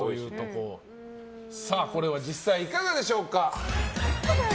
実際いかがでしょうか。